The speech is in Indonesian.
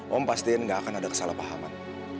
om pastiin nggak akan ada kesalahpahaman